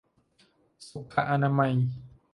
สุขอนามัย